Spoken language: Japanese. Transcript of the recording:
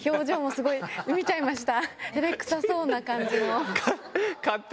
すごい見ちゃいました。